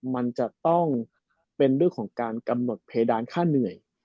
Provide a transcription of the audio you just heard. มันจะต้องเป็นเรื่องของการกำหนดเพดานค่าเหนื่อย